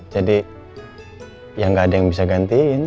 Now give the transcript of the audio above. jadi ya nggak ada yang bisa gantiin